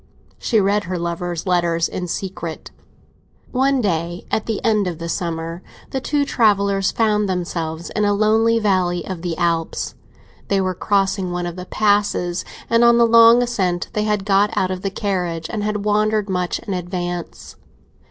She read her lover's letters in secret. One day at the end of the summer, the two travellers found themselves in a lonely valley of the Alps. They were crossing one of the passes, and on the long ascent they had got out of the carriage and had wandered much in advance.